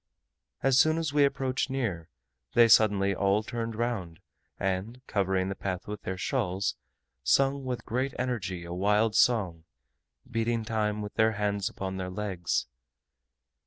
As soon as we approached near, they suddenly all turned round, and covering the path with their shawls, sung with great energy a wild song, beating time with their hands upon their legs.